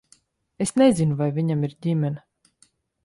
Es nezinu, vai viņam ir ģimene.